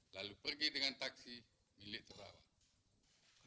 lalu pergi dengan taksi milik terawan